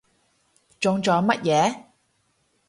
中咗乜嘢？